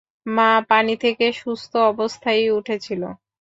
মা পানি থেকে সুস্থ অবস্থায়ই উঠেছিল।